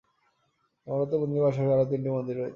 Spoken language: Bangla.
নবরত্ন মন্দিরের পাশাপাশি আরও তিনটি মন্দির রয়েছে।